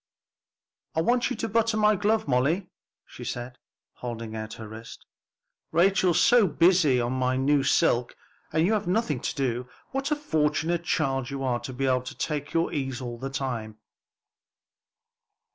"I want you to button my glove, Molly," she said, holding out her wrist, "Rachel's so busy on my new silk, and you have nothing to do. What a fortunate child you are to be able to take your ease all the time."